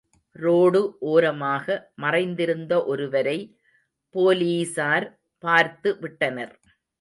Road ஒரமாக மறைந்திருந்த ஒருவரை போலீஸார் பார்த்து விட்டனர்.